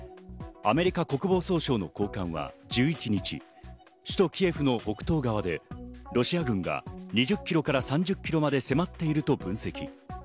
アメリカ国防総省の高官は１１日、首都キエフの北東側でロシア側が２０キロから３０キロまで迫っていると分析。